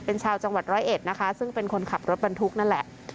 เป็นชาวจังหวัดร้อยเอ็ดนะคะซึ่งเป็นคนขับรถบรรทุกนั่นแหละ